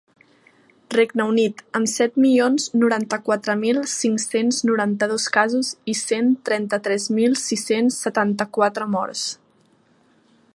Regne Unit, amb set milions noranta-quatre mil cinc-cents noranta-dos casos i cent trenta-tres mil sis-cents setanta-quatre morts.